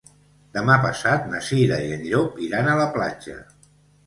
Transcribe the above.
Demà passat na Cira i en Llop iran a la platja.